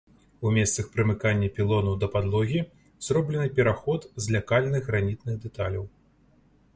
У месцах прымыкання пілонаў да падлогі зроблены пераход з лякальных гранітных дэталяў.